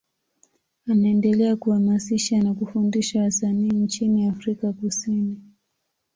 Anaendelea kuhamasisha na kufundisha wasanii nchini Afrika Kusini.